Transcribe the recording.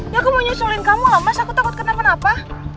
ya aku mau nyusulin kamu lah mas aku takut kena penapa